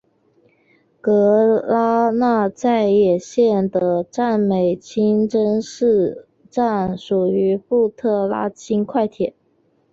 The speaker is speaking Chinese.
格拉那再也线的占美清真寺站属于布特拉轻快铁。